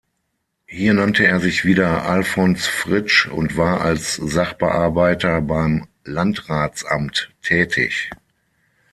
Hier nannte er sich wieder Alphons Fritsch und war als Sachbearbeiter beim Landratsamt tätig.